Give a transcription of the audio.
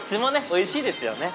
おいしいですよね